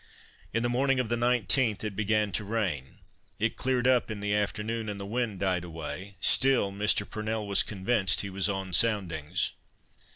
In the morning of the 19th, it began to rain; it cleared up in the afternoon, and the wind died away; still Mr. Purnell was convinced he was on soundings.